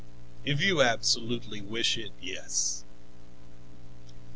"If you absolutely wish it, yes."